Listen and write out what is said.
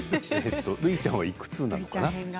るいちゃんはいくつになったのかな？